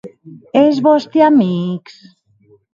E es vòsti amics?